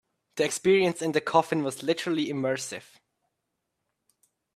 The experience in the coffin was literally immersive.